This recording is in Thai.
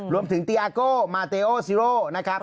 รวมถึงตีอาโกมาเตอร์โอซิโร่นะครับ